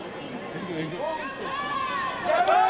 「ジャパン！」。